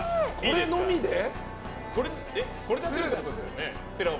これだけでってことですよね。